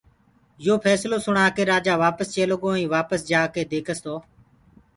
يو ڦيسلو سڻآ ڪي رآجآ وآپس چيلو گو ائين وآپس جآڪي ديکس تو